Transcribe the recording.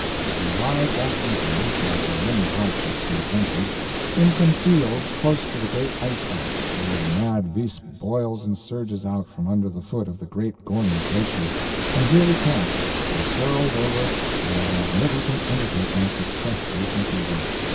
We arrived that evening, after many hardships and adventures, in some fields close to the great ice arch where the mad Visp boils and surges out from under the foot of the great Gorner Glacier, and here we camped, our perils over and our magnificent undertaking successfully completed.